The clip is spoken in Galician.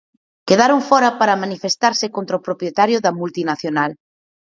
Quedarán fóra para manifestarse contra o propietario da multinacional.